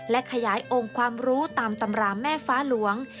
และขยายองค์ความรู้ตามตำราแม่ฟ้าหลวง